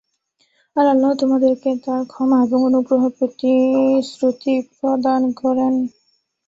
আর আল্লাহ তোমাদেরকে তাঁর ক্ষমা এবং অনুগ্রহের প্রতিশ্রুতি প্রদান করেন।